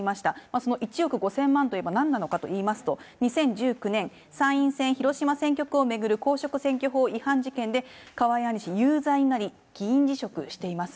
その１億５０００万といえばなんなのかといいますと、２０１９年、参院選広島選挙区を巡る公職選挙法違反事件で、河井案里氏有罪になり、議員辞職しています。